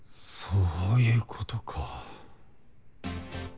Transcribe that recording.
そういうことか。